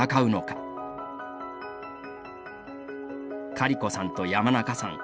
カリコさんと山中さん